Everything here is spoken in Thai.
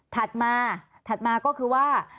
ถัดมาถัดมาก็คือว่า